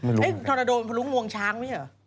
เออไม่รู้อ่ะฮอนาโดรุงมวงช้างมั้ย